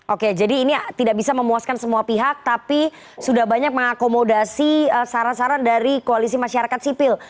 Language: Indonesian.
oke jadi ini tidak bisa memuaskan semua pihak tapi sudah banyak mengakomodasi saran saran dari koalisi masyarakat sipil